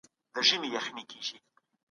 نجونې دا ځانګړتیا لېږدولای شي.